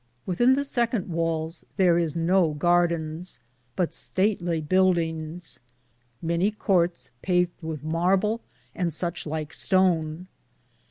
Within the seconde wales tharis no gardens, but statly buildinges ; many courtes paved with marble and suche lyke stone.